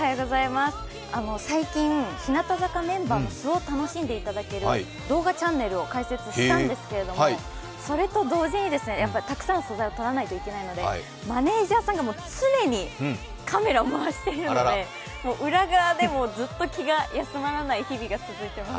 最近、日向坂メンバーの素を楽しんでいただける動画チャンネルを開設したんですけれども、それと同時にたくさんの取材を撮らないといけないのでマネージャーさんが常にカメラを回しているのでもう裏側でもずっと気が休まらない日々が続いています。